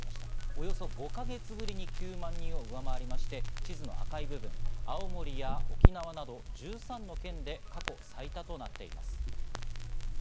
およそ５か月ぶりに９万人を上回りまして、地図の赤い部分、青森や沖縄など１３の県で過去最多となっています。